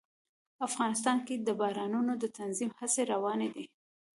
افغانستان کې د بارانونو د تنظیم هڅې روانې دي.